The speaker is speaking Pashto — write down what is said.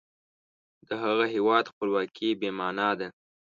د هغه هیواد خپلواکي بې معنا ده.